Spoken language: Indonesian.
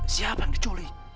siapa yang diculik